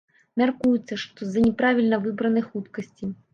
Мяркуецца, што з-за няправільна выбранай хуткасці.